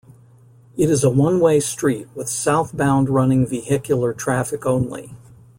It is a one-way street with southbound-running vehicular traffic only.